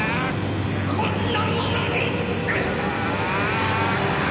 こんなものに！